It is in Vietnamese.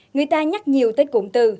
người ta nhắc nhiều tới cụm từ